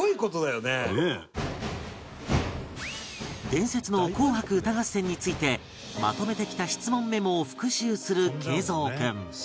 伝説の『紅白歌合戦』についてまとめてきた質問メモを復習する桂三君